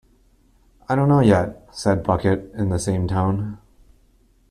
"I don't know yet," said Bucket in the same tone.